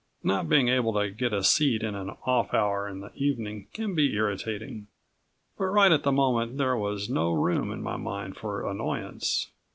Not being able to get a seat in an off hour in the evening can be irritating. But right at the moment there was no room in my mind for annoyance.